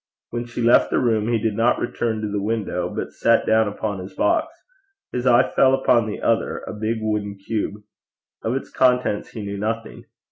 When she left the room he did not return to the window, but sat down upon his box. His eye fell upon the other, a big wooden cube. Of its contents he knew nothing.